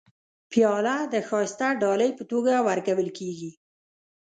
پیاله د ښایسته ډالۍ په توګه ورکول کېږي.